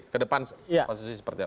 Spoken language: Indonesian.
ke depan konstitusi seperti apa